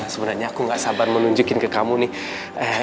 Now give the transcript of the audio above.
sebenarnya aku gak sabar menunjukin ke kamu nih